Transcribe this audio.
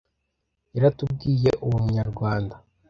Yaratubwiye uwo Munyarwanda